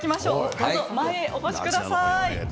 どうぞ前へお越しください。